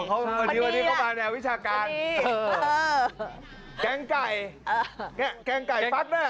โอ้โหวันนี้เขามาแนววิชาการแก๊งไก่แก๊งไก่ปั๊ดน่ะ